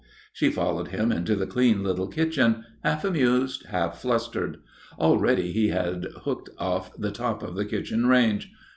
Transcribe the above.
She followed him into the clean little kitchen, half amused, half flustered. Already he had hooked off the top of the kitchen range.